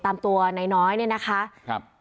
ประตู๓ครับ